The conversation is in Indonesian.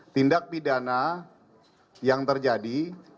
tindak pidana yang terjadi